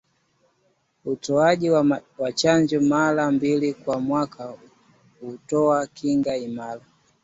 Hutoaji wa chanjo mara mbili kwa mwaka hutoa kinga imara